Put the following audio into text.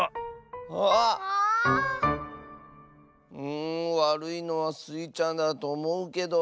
うんわるいのはスイちゃんだとおもうけど。